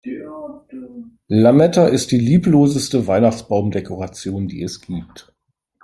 Lametta ist die liebloseste Weihnachtsbaumdekoration, die es gibt.